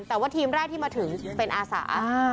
แต่ว่าทีมแรกที่มาถึงเป็นอาสา